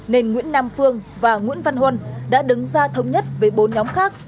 nên nguyễn nam phương và nguyễn văn huân đã đứng ra thống nhất với bốn nhóm khác